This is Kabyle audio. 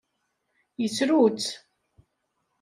Yessru-tt.